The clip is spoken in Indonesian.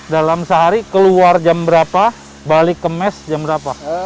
dalam sehari keluar jam berapa balik ke mes jam berapa